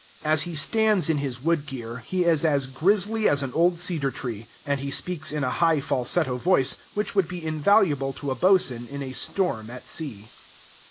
As he stands in his wood gear, he is as grizzly as an old cedar tree; and he speaks in a high falsetto voice, which would be invaluable to a boatswain in a storm at sea.